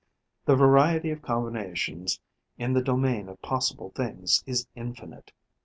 The variety of combinations in the domain of possible things is infinite.